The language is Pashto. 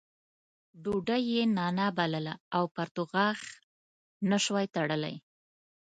ډوډۍ یې نانا بلله او پرتوګاښ نه شوای تړلی.